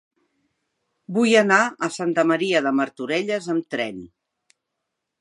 Vull anar a Santa Maria de Martorelles amb tren.